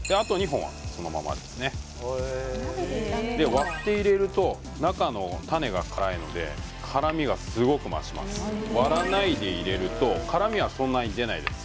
割って入れると中の種が辛いので辛みがすごく増します割らないで入れると辛みはそんなに出ないです